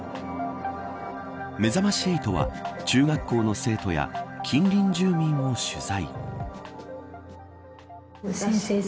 めざまし８は、中学校の生徒や近隣住民を取材。